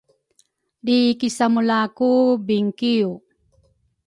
Lri kisamula ku bingikiw